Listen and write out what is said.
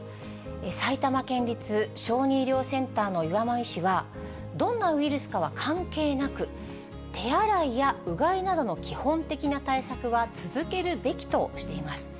埼玉県立小児医療センターの岩間医師は、どんなウイルスかは関係なく、手洗いやうがいなどの基本的な対策は続けるべきとしています。